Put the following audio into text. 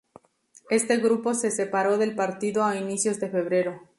Este grupo se separó del partido a inicios de febrero.